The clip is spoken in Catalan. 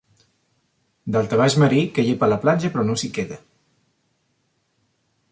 Daltabaix marí que llepa la platja però no s'hi queda.